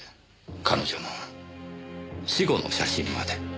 彼女の死後の写真まで。